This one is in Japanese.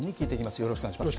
よろしくお願いします。